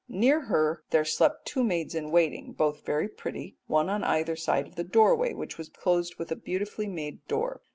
Near her there slept two maids in waiting, both very pretty, one on either side of the doorway, which was closed with a beautifully made door.